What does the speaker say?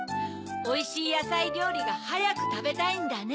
おいしいやさいりょうりがはやくたべたいんだね。